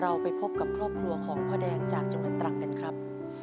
ไปพบกับครอบครัวของพ่อแดงจากจังหวัดตรังกันครับ